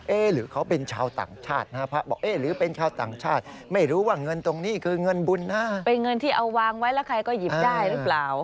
เอ๊ะหรือเขาเป็นชาวต่างชาตินะครับ